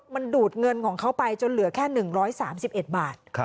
มันดูดเงินของเขาไปจนเหลือแค่๑๓๑บาท